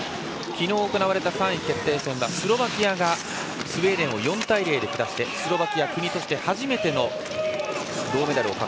昨日行われた３位決定戦はスロバキアがスウェーデンを４対０で下してスロバキアは国として初めての銅メダル。